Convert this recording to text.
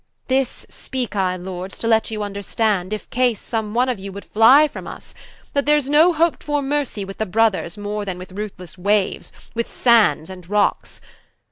This speake I (Lords) to let you vnderstand, If case some one of you would flye from vs, That there's no hop'd for Mercy with the Brothers, More then with ruthlesse Waues, with Sands and Rocks.